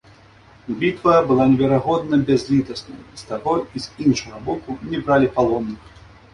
Бітва была неверагодна бязлітаснай, з таго і з іншага боку не бралі палонных.